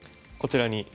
こちらに。